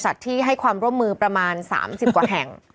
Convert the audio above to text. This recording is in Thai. ที่ให้ความร่วมมือประมาณ๓๐กว่าแห่ง